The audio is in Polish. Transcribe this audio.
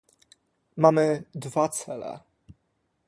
Mamy dwa cele